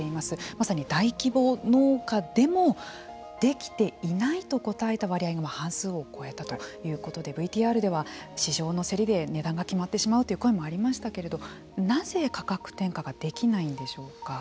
まさに大規模農家でもできていないと答えた割合が半数を超えたということでＶＴＲでは、市場の競りで値段が決まってしまうという声もありましたけれどもなぜ、価格転嫁ができないんでしょうか。